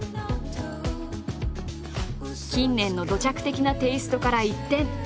近年の土着的なテーストから一転。